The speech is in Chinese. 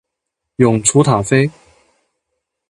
永雏塔菲